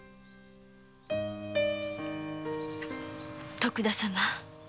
徳田様。